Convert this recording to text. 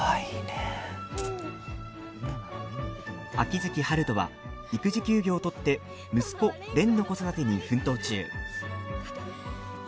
秋月春風は育児休業を取って息子、蓮の子育てに奮闘中。